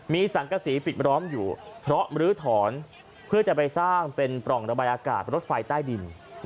มีสังกษีปิดล้อมอยู่เพราะมรื้อถอนเพื่อจะไปสร้างเป็นปล่องระบายอากาศรถไฟใต้ดิน